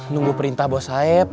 nunggu perintah bos haib